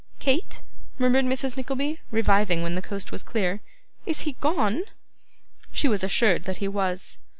'Kate,' murmured Mrs. Nickleby, reviving when the coast was clear, 'is he gone?' She was assured that he was.